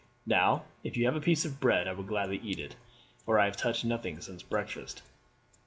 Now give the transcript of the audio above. Now, if you have a piece of bread I will gladly eat it, for I have touched nothing since breakfast."